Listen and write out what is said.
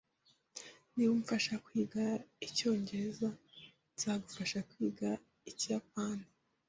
Niba umfasha kwiga icyongereza, nzagufasha kwiga ikiyapani.